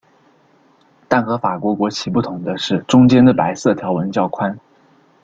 但和法国国旗不同的是中间的白色条纹较宽。